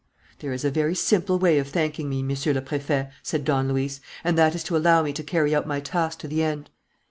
"There is a very simple way of thanking me, Monsieur le Préfet," said Don Luis, "and that is to allow me to carry out my task to the end."